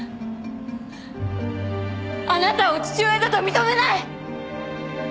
あなたを父親だと認めない！